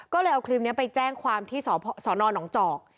ก็เลยเอาคลิปนี้ไปแจ้งความที่สนหนองจอก